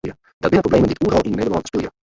Dat binne problemen dy't oeral yn Nederlân spylje.